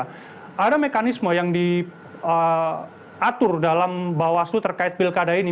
jadi kalau ada hal hal yang diatur dalam bawaslu terkait pilkada ini